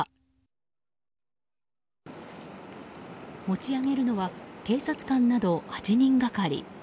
持ち上げるのは警察官など８人がかり。